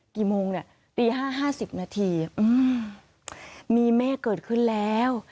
กี่โมงเนี้ยตีห้าห้าสิบนาทีอืมมีเมฆเกิดขึ้นแล้ว